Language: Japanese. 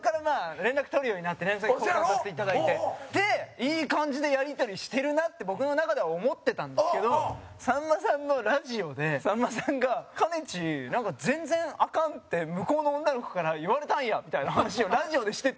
いい感じでやり取りしてるなって僕の中では思ってたんですけどさんまさんのラジオでさんまさんがかねちー、「全然アカン」って向こうの女の子から言われたんやみたいな話をラジオでしてて。